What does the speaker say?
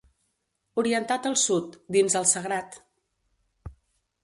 Orientat al sud, dins el sagrat.